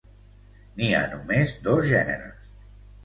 N'hi ha només dos gèneres.